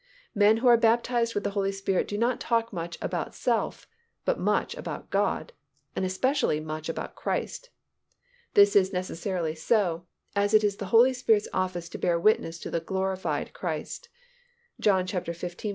Men who are baptized with the Holy Spirit do not talk much about self but much about God, and especially much about Christ. This is necessarily so, as it is the Holy Spirit's office to bear witness to the glorified Christ (John xv.